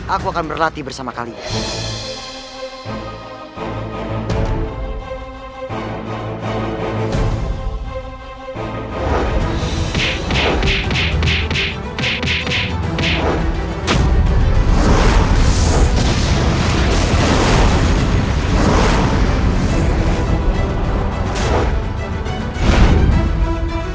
aku akan berlatih bersama kalian